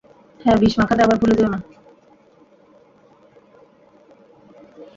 হ্যাঁ, বিষ মাখাতে আবার ভুলে যেয়ো না।